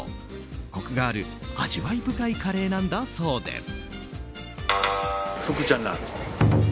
コクがある味わい深いカレーなんだそうです。